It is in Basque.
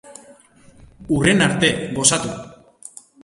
Hurrena arte, gozatu.